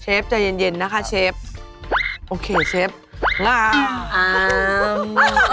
เชฟใจเย็นนะคะเชฟโอเคเชฟลาอ้าว